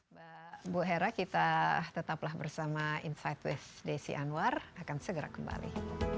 mbak bu hera kita tetaplah bersama insight with desi anwar akan segera kembali